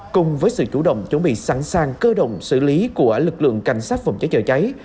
cùng với sự chủ động chuẩn bị sẵn sàng cơ động xử lý của lực lượng cảnh sát phòng cháy chữa cháy